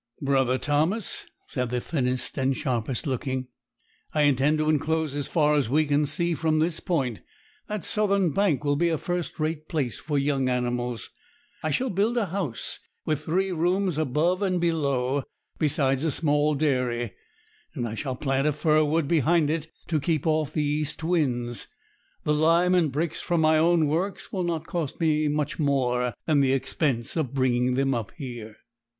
'Brother Thomas,' said the thinnest and sharpest looking, 'I intend to enclose as far as we can see from this point. That southern bank will be a first rate place for young animals. I shall build a house, with three rooms above and below, besides a small dairy; and I shall plant a fir wood behind it to keep off the east winds. The lime and bricks from my own works will not cost me much more than the expense of bringing them up here.'